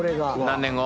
何年後？